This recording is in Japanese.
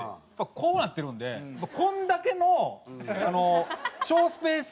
こうなってるんでこんだけのハハハハ！